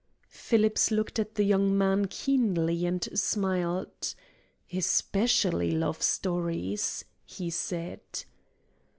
Phillips looked at the young man keenly and smiled. "Especially love stories," he said.